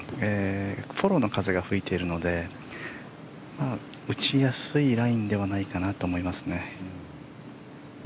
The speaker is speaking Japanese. フォローの風が吹いているので打ちやすいラインだと思います。